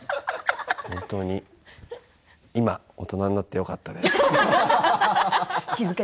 本当に、今大人になってよかったです。